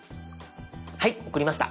はい送りました。